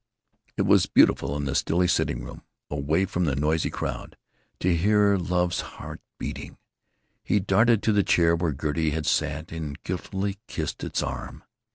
It was beautiful in the stilly sitting room, away from the noisy crowd, to hear love's heart beating. He darted to the chair where Gertie had sat and guiltily kissed its arm.